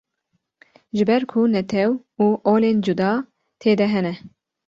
Ji ber ku netew û olên cuda tê de hene.